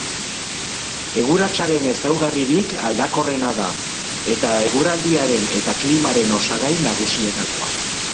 Eguratsaren ezaugarririk aldakorrena da, eta eguraldiaren eta klimaren osagai nagusietakoa.